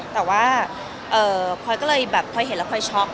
แต่ว่าพลอยก็เลยแบบพอเห็นแล้วพลอยช็อก